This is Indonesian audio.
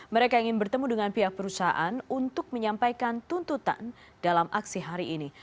mereka ingin bertemu dengan pihak perusahaan untuk menyampaikan tuntutan dalam aksi hari ini